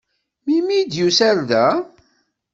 Melmi i d-yusa ar da?